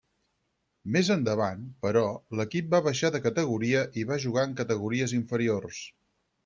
Més endavant, però, l'equip va baixar de categoria i va jugar en categories inferiors.